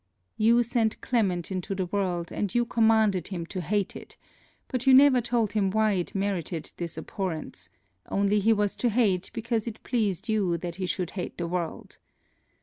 You sent Clement into the world and you commanded him to hate it, but you never told him why it merited this abhorrence, only he was to hate because it pleased you that he should hate the world.